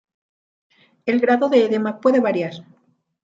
El grado de edema puede variar.